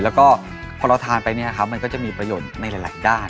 แล้วก็พอเราทานไปเนี่ยครับมันก็จะมีประโยชน์ในหลายด้าน